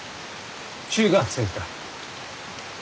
中学生か。